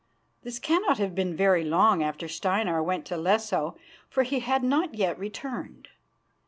This cannot have been very long after Steinar went to Lesso, for he had not yet returned.